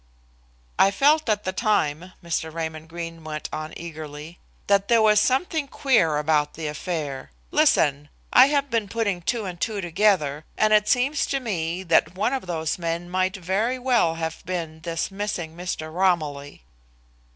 "I felt at the time," Mr. Raymond Greene went on eagerly, "that there was something queer about the affair. Listen! I have been putting two and two together, and it seems to me that one of those men might very well have been this missing Mr. Romilly."